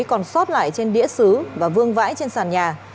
còn sót lại trên đĩa xứ và vương vãi trên sàn nhà